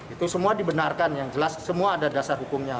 itu semua dibenarkan yang jelas semua ada dasar hukumnya